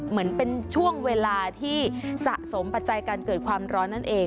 เหมือนเป็นช่วงเวลาที่สะสมปัจจัยการเกิดความร้อนนั่นเอง